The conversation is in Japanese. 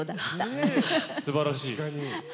すばらしい。